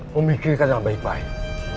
memikirkan ambil baik baik